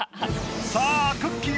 さあくっきー！